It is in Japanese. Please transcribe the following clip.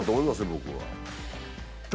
僕は。